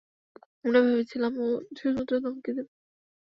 আমরা ভেবেছিলাম ও শুধুমাত্র ধমকি দিবে।